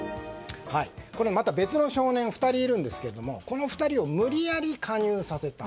また別の少年２人いるんですけどこの２人を無理やり加入させた。